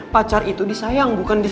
pacar itu disayang bukan